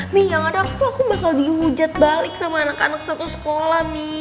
mi yang ada aku tuh bakal dihujat balik sama anak anak satu sekolah mi